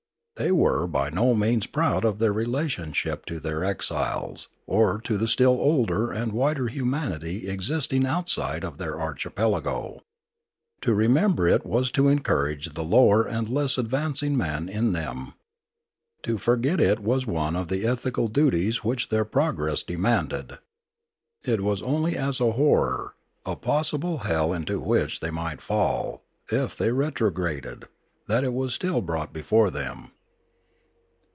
They were by no means proud of their relationship to their exiles or to the still older and wider humanity existing outside of their archipelago. To remember it was to encourage the lower and less advancing man in them. To fcrget it was one of the ethical duties which their progress demanded. It was only as a horror, as a possible hell into which they might fall, if they retrograded, that it was still brought before them.